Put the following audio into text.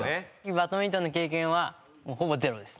バドミントンの経験はほぼゼロです。